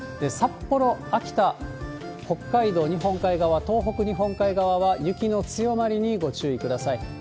札幌、秋田、北海道日本海側、東北、日本海側は雪の強まりにご注意ください。